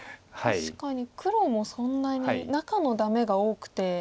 確かに黒もそんなに中のダメが多くて。